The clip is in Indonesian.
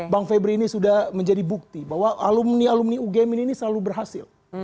bang febri ini sudah menjadi bukti bahwa alumni alumni ugm ini selalu berhasil